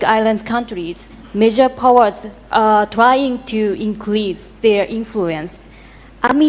kekuatan utama mencoba untuk meningkatkan pengaruh mereka